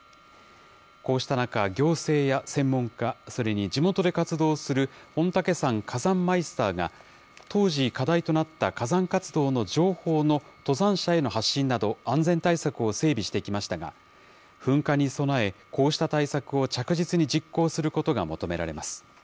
こうした中、行政や専門家、それに地元で活動する御嶽山火山マイスターが、当時課題となった火山活動の情報の登山者への発信など、安全対策を整備してきましたが、噴火に備え、こうした対策を着実に実行することが求められます。